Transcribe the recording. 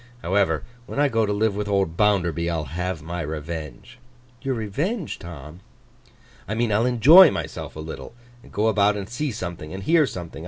However, when I go to live with old Bounderby, I'll have my revenge.' 'Your revenge, Tom?' 'I mean, I'll enjoy myself a little, and go about and see something, and hear something.